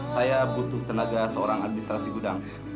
saya butuh tenaga seorang administrasi gudang